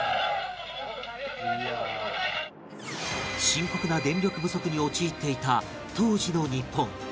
深刻な電力不足に陥っていた当時の日本